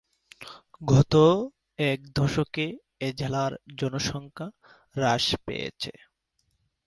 গত এক দশকে এ জেলার জনসংখ্যা হ্রাস পেয়েছে।